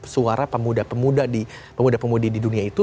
suara pemuda pemuda di dunia itu